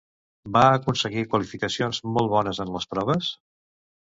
Va aconseguir qualificacions molt bones en les proves?